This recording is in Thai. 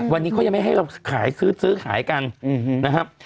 วันนี้เขายังไม่ให้เราขายซื้อขายกันนะครับ